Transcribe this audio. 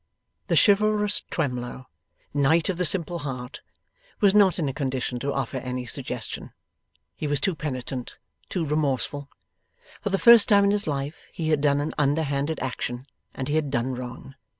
The chivalrous Twemlow, Knight of the Simple Heart, was not in a condition to offer any suggestion. He was too penitent, too remorseful. For the first time in his life he had done an underhanded action, and he had done wrong.